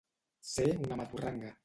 Ser una maturranga.